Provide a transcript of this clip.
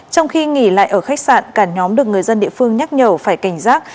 trong khi nghỉ lại ở khách sạn cả nhóm được người dân địa phương nhắc nhở phải cảnh giác